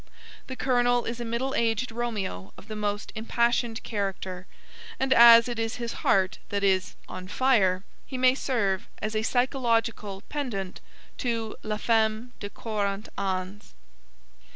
The Colonel is a middle aged Romeo of the most impassioned character, and as it is his heart that is 'on fire,' he may serve as a psychological pendant to La Femme de Quarante Ans.